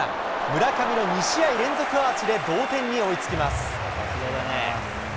村上の２試合連続アーチで同点に追いつきます。